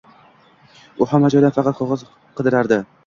U hamma joydan faqat qog’oz qidirardi.